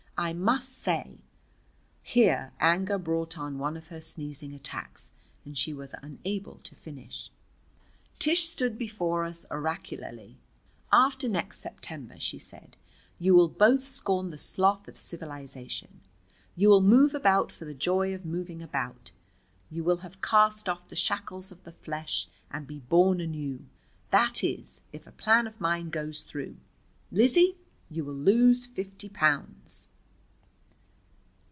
I must say " Here anger brought on one of her sneezing attacks, and she was unable to finish. Tish stood before us oracularly. "After next September," she said, "you will both scorn the sloth of civilization. You will move about for the joy of moving about. You will have cast off the shackles of the flesh and be born anew. That is, if a plan of mine goes through. Lizzie, you will lose fifty pounds!"